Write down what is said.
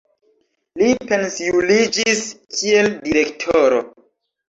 Li pensiuliĝis kiel direktoro.